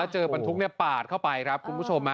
เจอบรรทุกปาดเข้าไปครับคุณผู้ชม